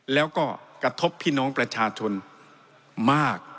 แล้วก็กระทบพี่น้องประชาชนมาก